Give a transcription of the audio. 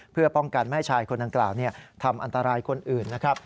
เพื่อป้องกันไม่ให้ชายคนดังกล่าวทำอันตรายคนอื่นนะครับ